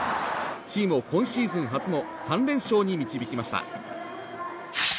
チームを今シーズン初の３連勝に導きました。